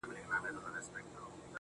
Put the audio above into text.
اوس مي د زړه كورگى تياره غوندي دى